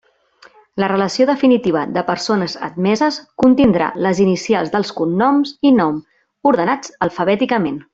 La relació definitiva de persones admeses contindrà les inicials dels cognoms i nom, ordenats alfabèticament.